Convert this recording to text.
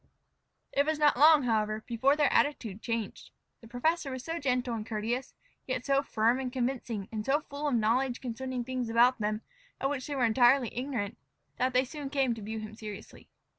It was not long, however, before their attitude changed. The professor was so gentle and courteous, yet so firm and convincing, and so full of knowledge concerning things about them of which they were entirely ignorant, that they soon came to view him seriously.